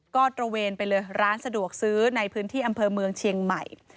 ก็ตระเวนไปเลยร้านสะดวกซื้อในพื้นที่อำเภอเมืองเชียงใหม่